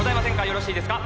よろしいですか？